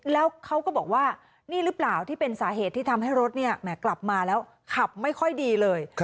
แล้วเขาก็บอกว่านี่หรือเปล่าที่เป็นสาเหตุที่ทำให้รถกลับมาแล้วขับไม่ค่อยดีเลย